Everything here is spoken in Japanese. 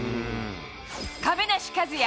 亀梨和也